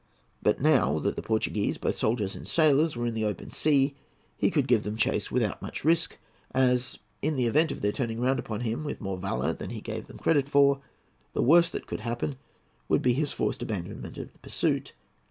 But now that the Portuguese, both soldiers and sailors, were in the open sea, he could give them chase without much risk, as, in the event of their turning round upon him with more valour than he gave them credit for, the worst that could happen would be his forced abandonment of the pursuit.